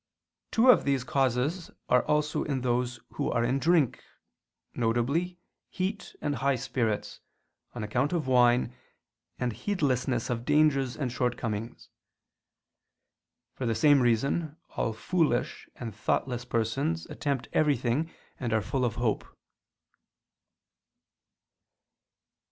Two of these causes are also in those who are in drink viz. heat and high spirits, on account of wine, and heedlessness of dangers and shortcomings. For the same reason all foolish and thoughtless persons attempt everything and are full of hope.